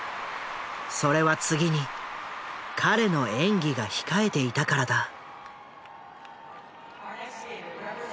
それは次に彼の演技が控えていたからだ。